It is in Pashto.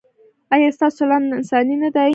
ایا ستاسو چلند انساني نه دی؟